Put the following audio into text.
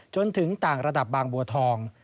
จนถึงต่างระดับบางประธาปุ